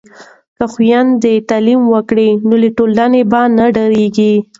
که خویندې تعلیم وکړي نو له ټولنې به نه ډاریږي.